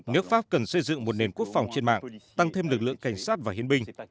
nước pháp cần xây dựng một nền quốc phòng trên mạng tăng thêm lực lượng cảnh sát và hiến binh